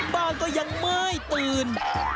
บ้านก็ยังไม่ตื่น